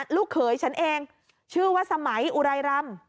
ลูกเขยฉันเองชื่อว่าสมัยอุไรรำ